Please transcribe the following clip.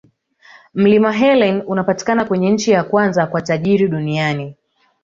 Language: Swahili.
Mlima helen unapatikana kwenye nchi ya kwanza kwa tajiri duniani